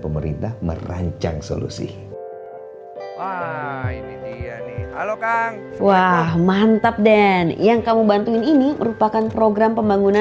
pemerintah merancang solusi wah mantap dan yang kamu bantuin ini merupakan program pembangunan